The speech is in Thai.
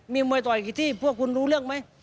มีมวยต่อยกี่ที่พวกคุณรู้เรื่องไหม